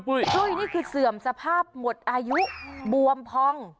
นี่คือเสื่อมสภาพหมดอายุบวมพอง